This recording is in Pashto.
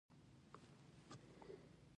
هغه به ښار ته ډېر نه تلو او کلي کې و